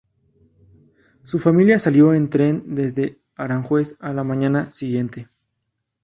Su familia salió en tren desde Aranjuez a la mañana siguiente.